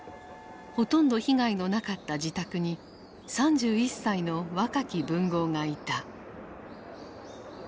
ほとんど被害のなかった自宅に３１歳の若き文豪がいた。